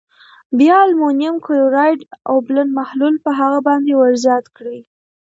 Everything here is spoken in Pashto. بیا المونیم کلورایډ اوبلن محلول په هغه باندې ور زیات کړئ.